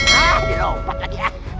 ah di ropak lagi ah